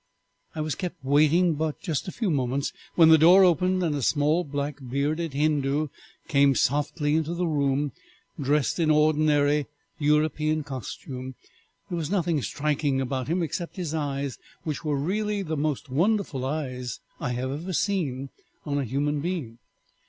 I was kept waiting but a few moments, when the door opened and a small black bearded Hindoo came softly into the room dressed in the ordinary European costume. There was nothing striking about him except his eyes, which were really the most wonderful eyes I have ever seen in a human being.